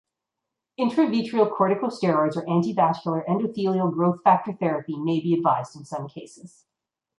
Intravitreal corticosteroids or anti–vascular endothelial growth factor therapy may be advised in some cases.